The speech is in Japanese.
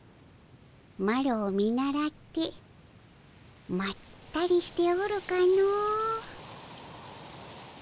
マロを見習ってまったりしておるかの。